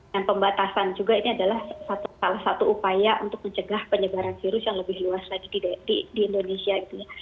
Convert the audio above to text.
dan pembatasan juga ini adalah salah satu upaya untuk mencegah penyebaran virus yang lebih luas lagi di indonesia